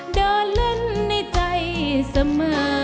เดินเล่นในใจเสมอ